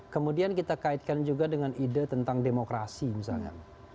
kemudian kita kaitkan juga dengan ide tentang demokrasi misalnya